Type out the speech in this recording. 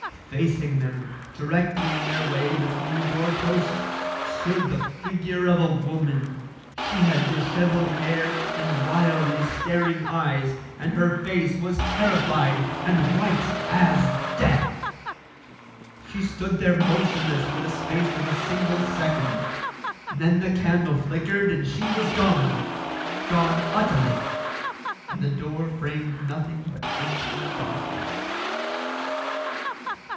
Facing them, directly in their way between the doorposts, stood the figure of a woman. She had dishevelled hair and wildly staring eyes, and her face was terrified and white as death. She stood there motionless for the space of a single second. Then the candle flickered and she was gone gone utterly and the door framed nothing but empty darkness.